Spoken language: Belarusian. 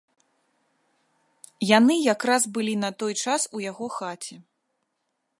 Яны якраз былі на той час у яго хаце.